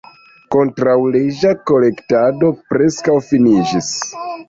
Kontraŭleĝa kolektado preskaŭ finiĝis.